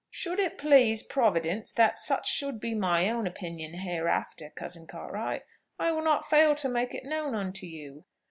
"Should it please Providence that such should be my own opinion hereafter, cousin Cartwright, I will not fail to make it known unto you."